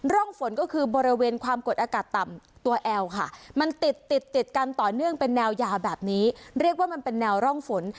ร่องฝนก็คือบริเวณความกดอากาศต่ำตัวแอลค่ะมันติดติดติดกันต่อเนื่องเป็นแนวยาวแบบนี้เรียกว่ามันเป็นแนวร่องฝน